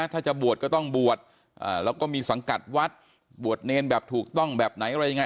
ถ้าจะบวชก็ต้องบวชแล้วก็มีสังกัดวัดบวชเนรแบบถูกต้องแบบไหนอะไรยังไง